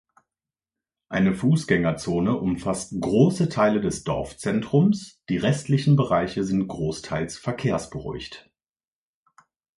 Eine Fußgängerzone umfasst große Teile des Dorfzentrums, die restlichen Bereiche sind großteils verkehrsberuhigt.